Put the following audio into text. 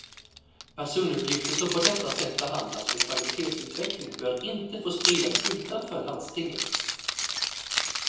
Personuppgifter som på detta sätt behandlas för kvalitetsutveckling bör inte få spridas utanför landstinget.